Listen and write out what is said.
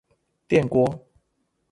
電鍋